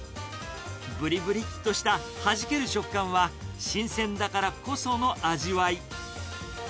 ぶりぶりっとしたはじける食感は、新鮮だからこその味わい。